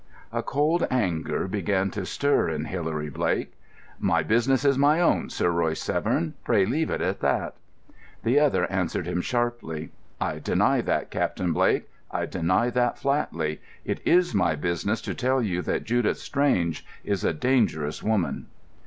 A cold anger began to stir in Hilary Blake. "My business is my own, Sir Royce Severn. Pray leave it at that." The other answered him sharply. "I deny that, Captain Blake; I deny that flatly. It is my business to tell you that Judith Strange is a dangerous woman."